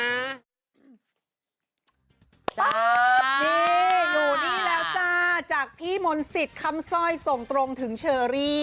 นี่อยู่นี่แล้วจ้าจากพี่มนต์สิทธิ์คำสร้อยส่งตรงถึงเชอรี่